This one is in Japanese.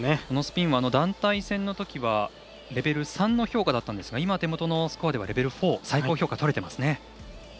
このスピンも団体戦のときはレベル３の評価だったんですが今、手元のスコアではレベル４、最高評価をとれてますね。